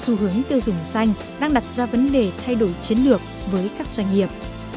trên thực tế mặc dù tiêu dùng xanh đang đặt ra vấn đề thay đổi chiến lược với các doanh nghiệp